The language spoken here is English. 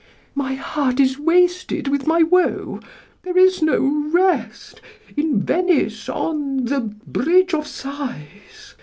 "My heart is wasted with my woe! There is no rest in Venice, on The Bridge of Sighs!"